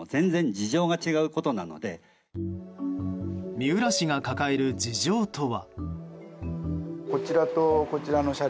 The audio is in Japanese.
三浦市が抱える事情とは。